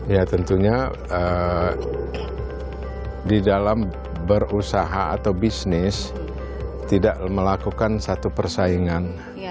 ya tentunya di dalam berusaha atau bisnis tidak melakukan satu persaingan